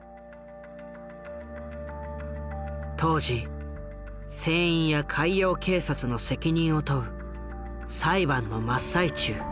当時船員や海洋警察の責任を問う裁判の真っ最中。